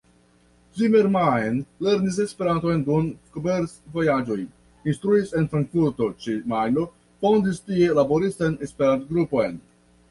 Zimmermann lernis Esperanton dum komerc-vojaĝoj, instruis en Frankfurto ĉe Majno, fondis tie laboristan Esperanto-grupon.